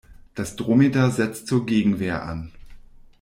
Das Dromedar setzt zur Gegenwehr an.